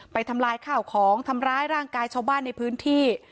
ทำลายข้าวของทำร้ายร่างกายชาวบ้านในพื้นที่